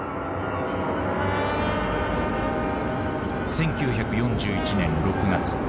１９４１年６月。